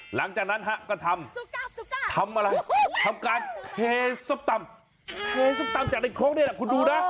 หลังจากฉะก็ทำสุกตั้งสุกตั้งทำอะไรทำการ